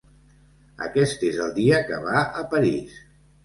Aquest és el dia que va a París.